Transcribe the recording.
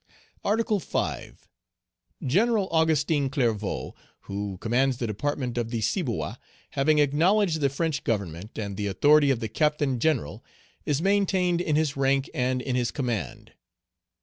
"Article 5. General Augustin Clervaux, who commands the Department of the Ciboa, having acknowledged the French government, and the authority of the Captain general, is maintained in his rank and in his command.